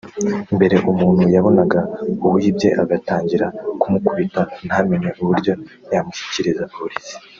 mbere umuntu yabonaga uwibye agatangira kumukubita ntamenye uburyo yamushyikiriza polisi